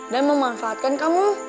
dan memanfaatkan kamu